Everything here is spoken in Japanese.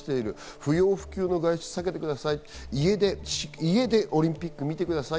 不要不急の外出を避けてください、家でオリンピックを見てください。